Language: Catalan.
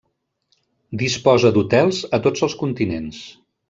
Disposa d'hotels a tots els continents.